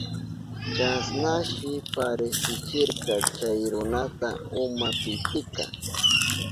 Chasnashi parisichirka chay runata uma pitika.